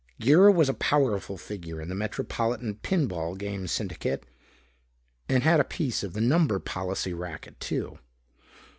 Girra was a powerful figure in the metropolitan pin ball game syndicate and had a piece of the number policy racket too.